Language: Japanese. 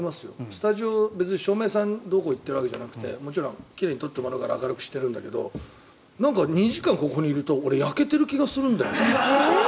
スタジオ別に照明さんどうこうって言ってるわけじゃないけどもちろん奇麗に撮ってもらうから明るくしてるんだけど２時間ここにいると焼けてる感じがするんだよね。